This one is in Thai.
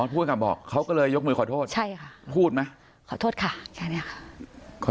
ทวดกลับบอกเขาก็เลยยกมือขอโทษใช่ค่ะพูดไหมขอโทษค่ะแค่เนี้ยค่ะขอ